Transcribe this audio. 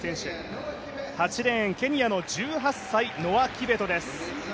８レーン、ケニアの１８歳ノア・キベトです。